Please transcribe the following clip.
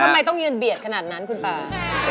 ทำไมต้องยืนเบียดขนาดนั้นคุณป่า